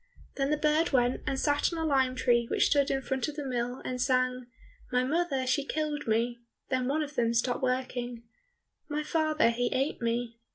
Then the bird went and sat on a lime tree which stood in front of the mill, and sang, "My mother she killed me," Then one of them stopped working, "My father he ate me."